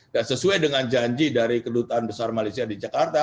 dan sesuai dengan janji dari kedutaan besar malaysia di jakarta